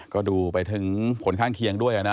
ก็ดูไปถึงผลข้างเคียงด้วยนะ